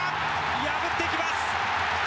破っていきます！